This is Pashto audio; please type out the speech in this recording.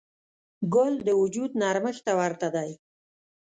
ګل د وجود نرمښت ته ورته دی.